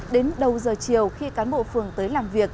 đến đầu giờ chiều khi cán bộ phường tới làm việc